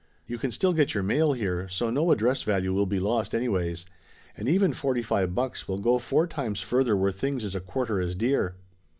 You can still get your mail here, so no address value will be lost anyways. And even forty five bucks will go four times further where things is a quarter as dear